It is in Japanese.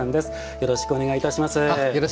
よろしくお願いします。